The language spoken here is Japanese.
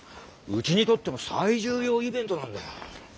うちにとっても最重要イベントなんだ。